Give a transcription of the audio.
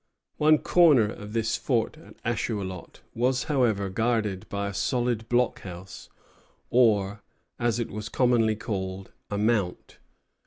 One corner of this fort at Ashuelot was, however, guarded by a solid blockhouse, or, as it was commonly called, a "mount."